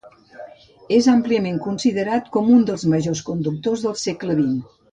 És àmpliament considerat com un dels majors conductors del segle XX.